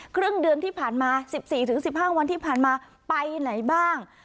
ครึ่งเดือนที่ผ่านมาสิบสี่ถึงสิบห้างวันที่ผ่านมาไปไหนบ้าง